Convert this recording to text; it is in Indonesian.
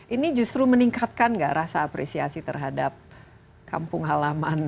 ini justru meningkatkan gak rasa apresiasi terhadap kampung halaman